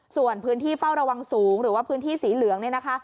ส่วนพื้นที่เฝ้าระวังสูงหรือว่าพื้นที่สีเหลืองเนี่ยนะคะ